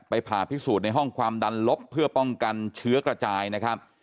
ผ่าพิสูจน์ในห้องความดันลบเพื่อป้องกันเชื้อกระจายนะครับ